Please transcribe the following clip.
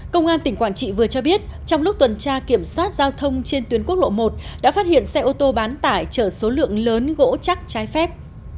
công an tỉnh quảng trị vừa cho biết trong lúc tuần tra kiểm soát giao thông trên tuyến quốc lộ một đã phát hiện xe ô tô bán tải chở số lượng lớn gỗ chắc trái phép